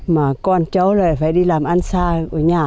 mà con cháu lại phải đi làm ăn xa ở nhà